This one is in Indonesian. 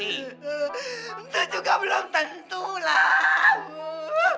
itu juga belum tentu lama